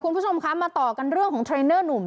คุณผู้ชมคะมาต่อกันเรื่องของเทรนเนอร์หนุ่ม